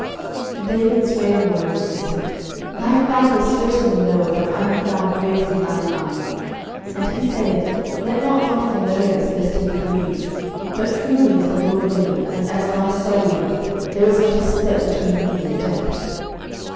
09:020:003 And David sware moreover, and said, Thy father certainly knoweth that I have found grace in thine eyes; and he saith, Let not Jonathan know this, lest he be grieved: but truly as the LORD liveth, and as thy soul liveth, there is but a step between me and death.